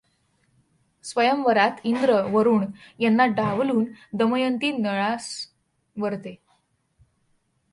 स्वयंवरात इंद्र, वरुण यांना डावलून दमयंती नळास वरते.